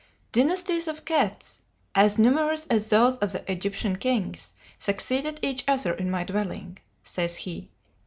"Dynasties of cats, as numerous as those of the Egyptian kings, succeeded each other in my dwelling," says he.